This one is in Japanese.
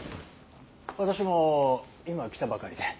私も今来たばかりで。